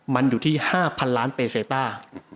มันอยู่ที่๕๐๐๐ล้านเปเซต้า